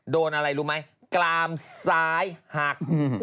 โดนอะไรรู้ไหมกลามซ้ายหัก